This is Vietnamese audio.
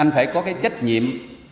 anh phải có cái trách nhiệm